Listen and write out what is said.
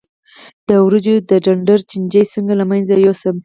د وریجو د ډنډر چینجی څنګه له منځه یوسم؟